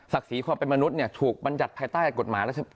ศรีความเป็นมนุษย์ถูกบรรยัติภายใต้กฎหมาย